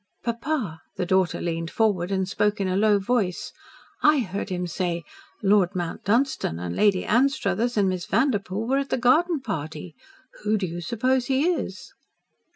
"Papa," the daughter leaned forward, and spoke in a low voice, "I heard him say 'Lord Mount Dunstan said Lady Anstruthers and Miss Vanderpoel were at the garden party.' Who do you suppose he is?"